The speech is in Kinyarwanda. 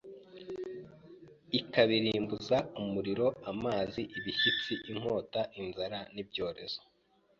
ikabirimbuza umuriro, amazi, ibishyitsi, inkota, inzara n’ibyorezo.